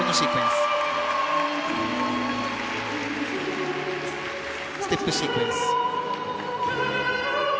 ステップシークエンス。